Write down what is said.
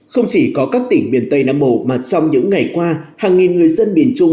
không chỉ có các tỉnh miền tây nam bộ mà trong những ngày qua hàng nghìn người dân miền trung